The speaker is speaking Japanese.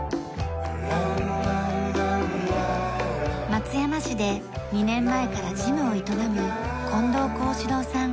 松山市で２年前からジムを営む近藤幸志郎さん。